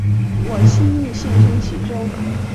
我轻易陷身其中